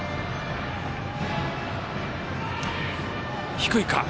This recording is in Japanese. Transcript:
低いか。